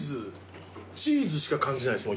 チーズしか感じないです